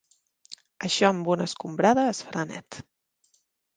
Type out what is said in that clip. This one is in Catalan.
Això amb una escombrada es farà net.